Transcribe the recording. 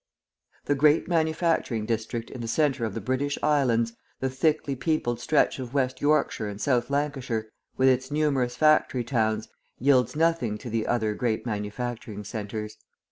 The great manufacturing district in the centre of the British Islands, the thickly peopled stretch of West Yorkshire and South Lancashire, with its numerous factory towns, yields nothing to the other great manufacturing centres.